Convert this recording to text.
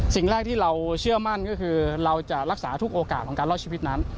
สิ่งแรกที่เราเชื่อมั่นก็คือเราจะรักษาทุกโอกาสของการรอดชีวิตนั้น